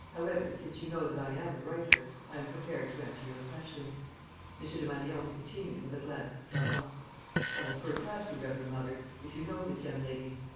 However, since you know that I am the writer, I am prepared to answer your questions." M. Desmalions continued, with a glance at Florence: "I will first ask you, Reverend Mother, if you know this young lady?"